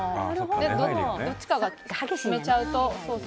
どっちかが締めちゃうと。